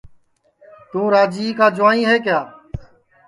تُوں راجِئے کا جُوائیں ہے کِیا